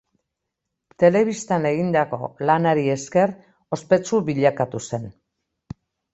Telebistan egindako lanari esker, ospetsu bilakatu zen.